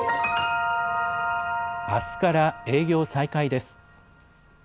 あすから営業再開です。